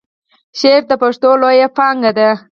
شعر د پښتو لویه پانګه ده.